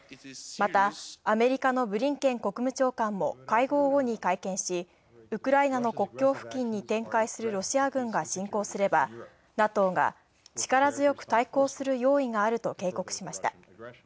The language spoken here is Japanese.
また、アメリカのブリンケン国務長官も会合後に会見し、ウクライナの国境付近に展開するロシア軍が侵攻すればＮＡＴＯが「力強く対抗する用意がある」と警告しました。